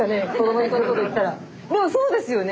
これもうそうですよね？